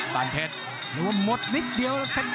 ปานเทค